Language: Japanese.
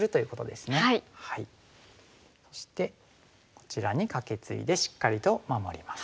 そしてこちらにカケツイでしっかりと守ります。